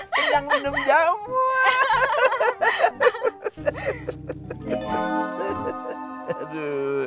kenyang minum jamu